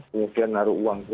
kemudian naruh uang